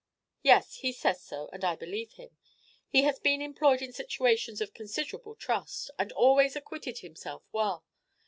"Yes, he says so, and I believe him. He has been employed in situations of considerable trust, and always acquitted himself well.